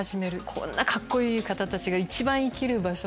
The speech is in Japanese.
こんなカッコいい方たちが一番生きる場所。